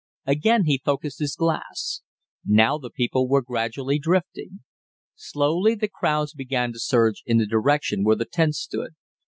Again he focussed his glass. Now the people were gradually drifting. Slowly the crowds began to surge in the direction where the tents stood.